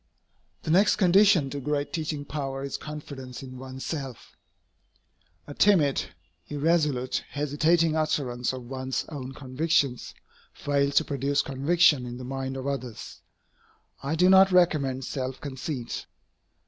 The next condition to great teaching power is confidence in one's self. A timid, irresolute, hesitating utterance of one's own convictions fails to produce conviction in the minds of others. I do not recommend self conceit.